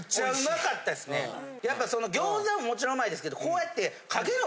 やっぱその餃子ももちろんうまいですけどこうやって。